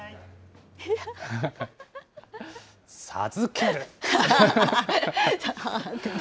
授ける。